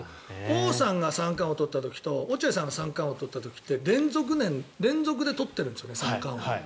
王さんが三冠王を取った時と落合さんが三冠王を取った時って連続で取っているんです三冠王。